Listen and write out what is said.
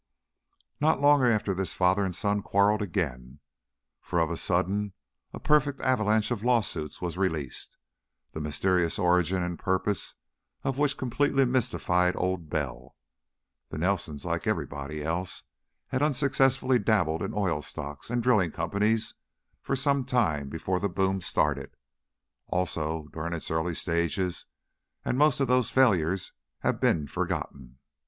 Not long after this father and son quarreled again, for of a sudden a perfect avalanche of lawsuits was released, the mysterious origin and purpose of which completely mystified Old Bell. The Nelsons, like everybody else, had unsuccessfully dabbled in oil stocks and drilling companies for some time before the boom started, also during its early stages, and most of those failures had been forgotten.